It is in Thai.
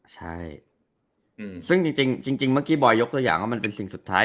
ใช่ซึ่งจริงเมื่อกี้บอยยกตัวอย่างว่ามันเป็นสิ่งสุดท้าย